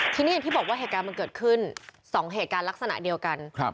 ทีนี้อย่างที่บอกว่าเหตุการณ์มันเกิดขึ้น๒เหตุการณ์ลักษณะเดียวกัน